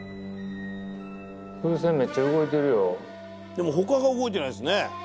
でも他が動いてないですね。